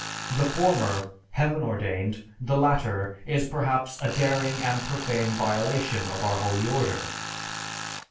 The former, heaven ordained, the latter is perhaps a daring and profane violation of our holy order."